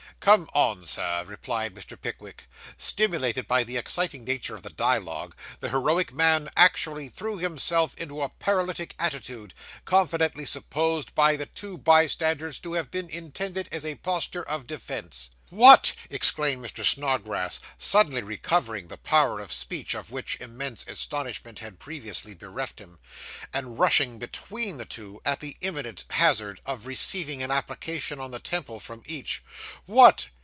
'Come on, Sir!' replied Mr. Pickwick. Stimulated by the exciting nature of the dialogue, the heroic man actually threw himself into a paralytic attitude, confidently supposed by the two bystanders to have been intended as a posture of defence. 'What!' exclaimed Mr. Snodgrass, suddenly recovering the power of speech, of which intense astonishment had previously bereft him, and rushing between the two, at the imminent hazard of receiving an application on the temple from each 'what!